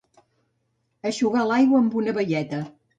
Eixugar l'aigua amb una baieta.